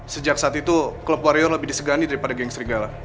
sejak saat itu klub warrior lebih disegani daripada geng serigala